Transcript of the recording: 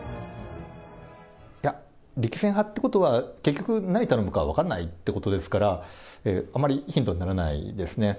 いや、力戦派ってことは、結局、何頼むか分からないっていうことですから、あまりヒントにならないですね。